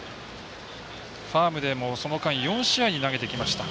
ファームでも、その間４試合投げてきました。